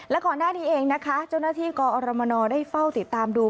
และก่อนหน้านี้เองนะคะเจ้าหน้าที่กอรมนได้เฝ้าติดตามดู